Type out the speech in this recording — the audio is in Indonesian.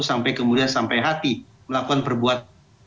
sampai kemudian sampai hati melakukan perbuatan